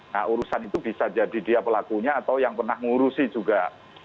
nah urusan itu bisa jadi dia pelakunya atau yang pernah ngurusi juga